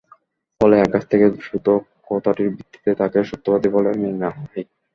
ফলে আকাশ থেকে শ্রুত কথাটির ভিত্তিতে তাকে সত্যবাদী বলে মেনে নেওয়া হয়।